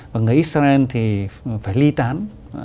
và người israel thì phải ly tán